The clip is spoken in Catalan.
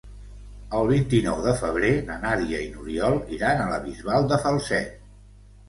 El vint-i-nou de febrer na Nàdia i n'Oriol iran a la Bisbal de Falset.